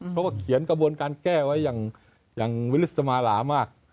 เพราะว่าเขียนกระบวนการแก้ไว้อย่างวิลิสมาหลามาก